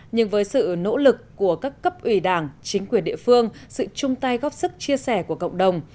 nhưng với sự nỗ lực của các cấp ủy đảng chính quyền địa phương sự chung tay góp sức chia sẻ của cộng đồng